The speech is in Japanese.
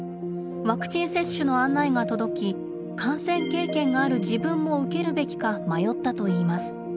ワクチン接種の案内が届き感染経験がある自分も受けるべきか迷ったといいます。